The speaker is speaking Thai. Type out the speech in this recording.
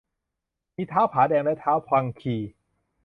มีท้าวผาแดงและท้าวพังคี